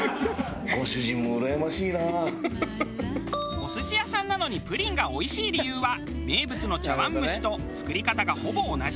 お寿司屋さんなのにプリンがおいしい理由は名物の茶碗蒸しと作り方がほぼ同じだから。